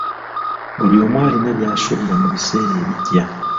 Buli omu alina byasubira mu biseera ebijja.